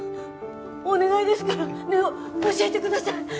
お願いですからねえ教えてください！